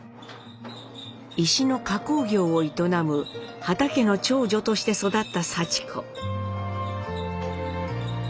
石の加工業を営む畑家の長女として育ったさち子。